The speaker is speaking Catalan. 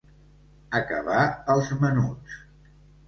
Acabar els menuts.